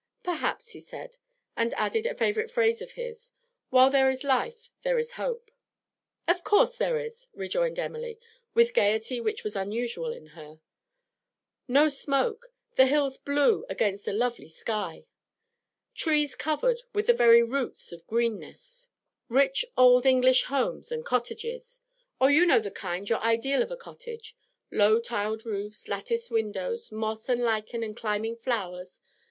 'Perhaps,' he said; and added a favourite phrase of his, 'while there is life there is hope.' 'Of course there is,' rejoined Emily, with gaiety which was unusual in her. 'No smoke; the hills blue against a lovely sky! trees covered to the very roots with greenness; rich old English homes and cottages oh, you know the kind your ideal of a cottage low tiled roofs, latticed windows, moss and lichen and climbing flowers.